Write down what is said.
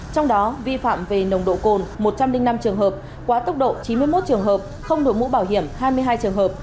trong đó vi phạm về nồng độ cồn một trăm linh năm trường hợp quá tốc độ chín mươi một trường hợp không đổi mũ bảo hiểm hai mươi hai trường hợp